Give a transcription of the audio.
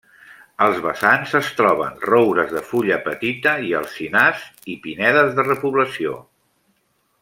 Als vessants, es troben roures de fulla petita i alzinars i pinedes de repoblació.